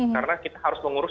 karena kita harus mengurus